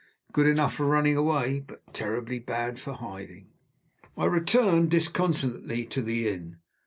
Good enough for running away, but terribly bad for hiding. I returned disconsolately to the inn.